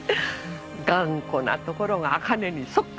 頑固なところがあかねにそっくり。